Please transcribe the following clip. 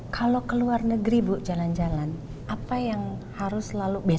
kalau ke luar negeri bu jalan jalan apa yang harus selalu besok